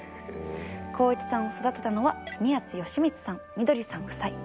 航一さんを育てたのは宮津美光さんみどりさん夫妻。